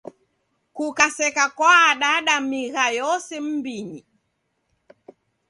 Kukaseka kwaadada migha yose m'mbinyi.